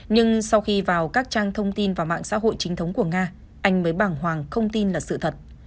nhưng sau khi vào các trang thông tin và mạng xã hội chính thống của nga anh mới bảng hoàng không tin là sự thật